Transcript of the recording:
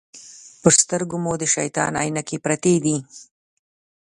پر سترګو مو د شیطان عینکې پرتې دي.